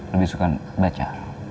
lebih suka baca